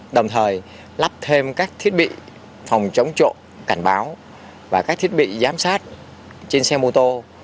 đồng thời lắp thêm các thiết bị phòng chống trộm cảnh báo và các thiết bị giám sát trên xe mô tô